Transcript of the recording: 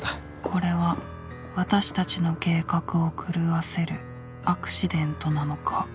これは私たちの計画を狂わせるアクシデントなのか？